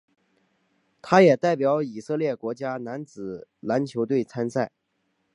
他也代表以色列国家男子篮球队参赛。